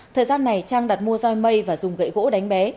thời gian này trang đặt mua roi mây và dùng gậy gỗ đánh bé